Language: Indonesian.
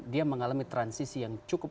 dia mengalami transisi yang cukup